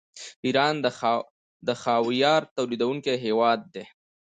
ایران د خاویار تولیدونکی هیواد دی.